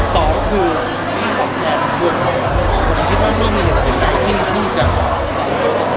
สองคือค่าตอบแทนรวมต่อผมคิดว่าไม่มีเหตุผลให้ที่จะอรรถโยชน์